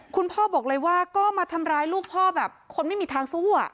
คุณพ่อบอกเลยว่าก็มาทำร้ายลูกพ่อแบบคนไม่มีทางสู้